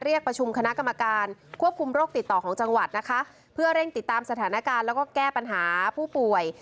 เรียกประชุมคณะกรรมการควบคุมโรคติดต่อของจังหวัดนะคะเพื่อเร่งติดตามสถานการณ์แล้วก็แก้ปัญหาผู้ป่วย